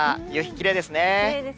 きれいですね。